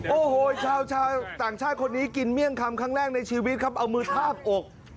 โอ้โหชาวต่างชาติคนนี้กินเมี่ยงคำครั้งแรกในชีวิตครับเอามือทาบอก